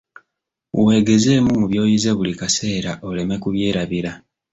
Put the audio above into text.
Weegezeemu mu by'oyize buli kaseera oleme kubyerabira.